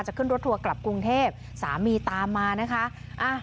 ขึ้นรถทัวร์กลับกรุงเทพสามีตามมานะคะ